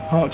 họ chỉ có